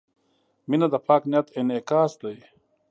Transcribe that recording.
• مینه د پاک نیت انعکاس دی.